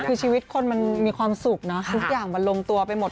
คือชีวิตคนมันมีความสุขนะทุกอย่างมันลงตัวไปหมด